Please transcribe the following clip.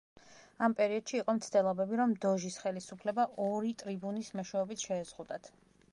ამ პერიოდში იყო მცდელობები, რომ დოჟის ხელისუფლება ორი ტრიბუნის მეშვეობით შეეზღუდათ.